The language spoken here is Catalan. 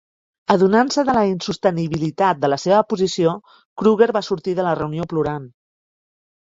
Adonant-se de la insostenibilitat de la seva posició, Kruger va sortir de la reunió plorant.